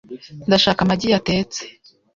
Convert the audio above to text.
Ndashaka amagi yatetse .